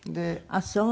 あっそう。